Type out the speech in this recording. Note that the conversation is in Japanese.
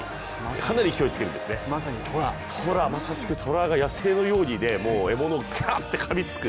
かなり勢いつけるんですね、まさしくトラが、野性のように獲物にガッとかみつく。